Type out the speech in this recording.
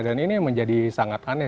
dan ini menjadi sangat aneh